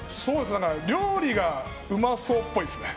料理がうまそうっぽいですね。